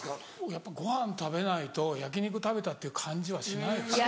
やっぱご飯食べないと焼き肉食べたっていう感じはしないです。